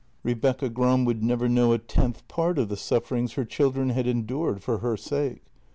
Rebecca Gram would never know a tenth part of the sufferings her children had endured for her sake.